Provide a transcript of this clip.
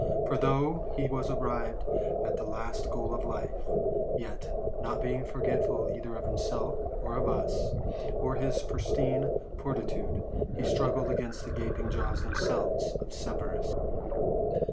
For, though he was arrived at the last goal of life, yet, not being forgetful either of himself, or of us, or his pristine fortitude, he struggle against the gaping jaws themselves of Cerberus.